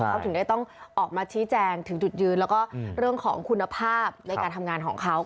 เขาถึงได้ต้องออกมาชี้แจงถึงจุดยืนแล้วก็เรื่องของคุณภาพในการทำงานของเขา